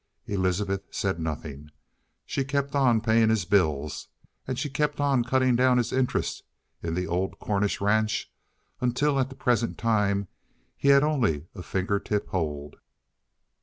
Elizabeth said nothing. She kept on paying his bills, and she kept on cutting down his interest in the old Cornish ranch, until at the present time he had only a finger tip hold.